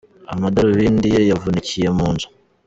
Amadarubindiye yavunikiye munzu.